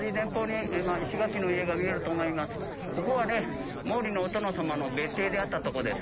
ここはね、毛利のお殿様の別邸であったところです。